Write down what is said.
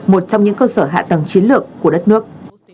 một trong những cơ sở hạ tầng chiến lược của đất nước